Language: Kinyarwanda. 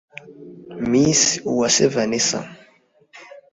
Miss Uwase Vanessa